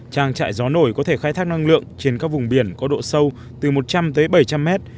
trang trại gió nổi có thể khai thác năng lượng trên các vùng biển có độ sâu từ một trăm linh tới bảy trăm linh mét